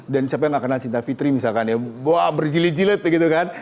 dan siapa yang nggak kenal cinta fitri misalkan ya wah berjilid jilid gitu kan